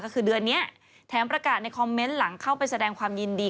ก็คือเดือนนี้แถมประกาศในคอมเมนต์หลังเข้าไปแสดงความยินดี